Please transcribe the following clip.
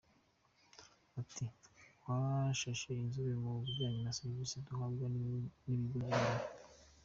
Ati “Twashashe inzobe mu bijyanye na serivisi duhabwa n’ibigo by’imari.